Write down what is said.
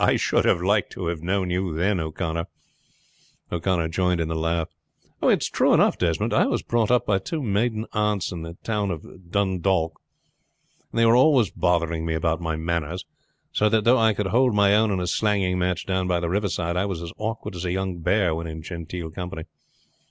"I should have liked to have known you then, O'Connor." O'Connor joined in the laugh. "It's true though, Desmond. I was brought up by two maiden aunts in the town of Dundalk, and they were always bothering me about my manners; so that though I could hold my own in a slanging match down by the riverside, I was as awkward as a young bear when in genteel company.